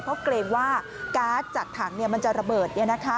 เพราะเกรงว่าการ์ดจากถังมันจะระเบิด